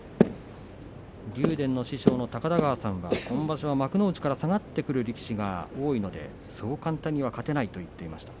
竜電の師匠高田川さんは今場所は幕内から下がってくる力士が多いのでそう簡単には勝てないと言っていました。